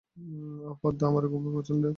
ওহ, পদ্ম আমার খুবই পছন্দের!